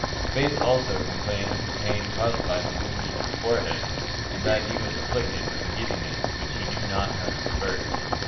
Bates also complained of the pain caused by the wound in his forehead, and that he was afflicted with a giddiness which he knew not how to avert.